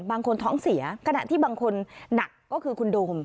บางคนท้องเสียขณะที่บางคนหนักก็คือคุณโดม